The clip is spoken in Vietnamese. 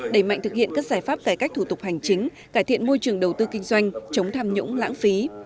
đẩy mạnh thực hiện các giải pháp cải cách thủ tục hành chính cải thiện môi trường đầu tư kinh doanh chống tham nhũng lãng phí